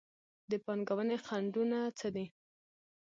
د پانګونې خنډونه څه دي؟